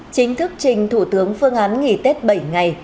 chính thức trình thủ tướng phương án nghỉ tết bảy ngày